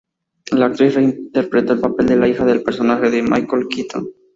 La actriz interpretó el papel de la hija del personaje de Michael Keaton.